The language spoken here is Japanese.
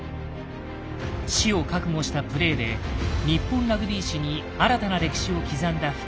死を覚悟したプレイで日本ラグビー史に新たな歴史を刻んだ福岡。